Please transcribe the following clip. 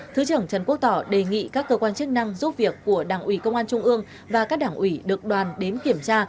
thứ trưởng trần quốc tỏ đề nghị các cơ quan chức năng giúp việc của đảng ủy công an trung ương và các đảng ủy được đoàn đến kiểm tra